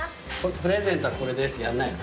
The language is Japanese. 「プレゼントはこれです」やんないの？